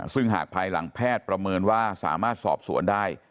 ซึ่งหากภายหลังแพทย์ประเมินว่าสามารถสอบสวนได้